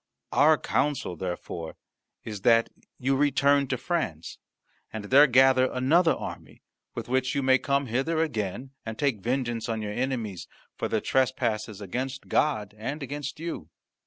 Our counsel, therefore, is that you return to France, and there gather another army, with which you may come hither again and take vengeance on your enemies for their trespasses against God and against you."